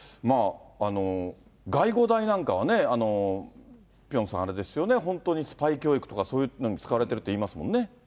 外語大なんかはね、ピョンさん、あれですよね、本当にスパイ教育とか、そういうのに使われているといいますもんね。